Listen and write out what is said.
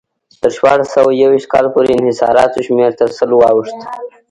تر شپاړس سوه یو ویشت کال پورې انحصاراتو شمېر تر سلو واوښت.